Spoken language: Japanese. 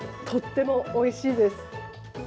とってもおいしいです。